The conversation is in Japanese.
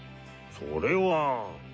それは。